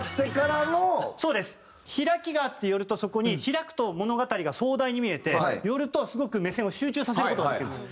開きがあって寄るとそこに開くと物語が壮大に見えて寄るとすごく目線を集中させる事ができるんです。